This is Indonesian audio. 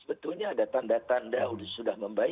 sebetulnya ada tanda tanda sudah membaik